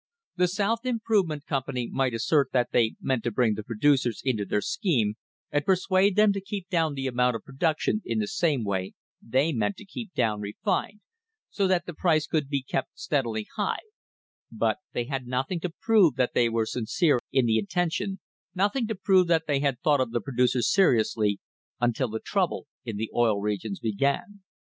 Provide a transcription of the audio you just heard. The South Improvement Company might assert that they meant to bring the producers into their scheme and persuade them to keep down the amoun/ of production in the same way they meant to keep down refined, so that the price could be kept steadily high, but they had nothing to prove that they were sincere in the intention, nothing to prove that they had thought of the producer seriously until the trouble in the Oil Regions began.